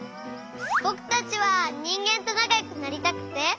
ぼくたちはにんげんとなかよくなりたくて。